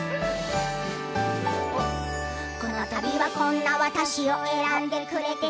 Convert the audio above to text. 「このたびはこんな私を選んでくれて」